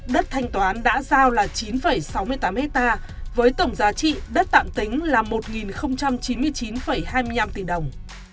đất thanh toán đã giao là chín sáu mươi tám hectare với tổng giá trị đất tạm tính là một chín mươi chín hai mươi năm tỷ đồng